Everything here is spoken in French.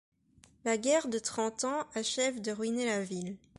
La guerre de Trente Ans achève de ruiner la ville.